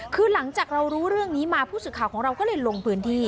คือหลังจากเรารู้เรื่องนี้มาผู้สื่อข่าวของเราก็เลยลงพื้นที่